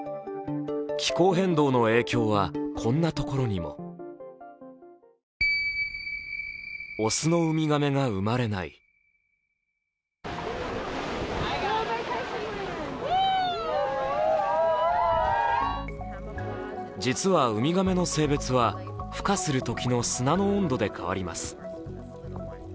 気候変動の影響はこんなところにも実はウミガメの性別はふ化するときの砂の温度で決まります。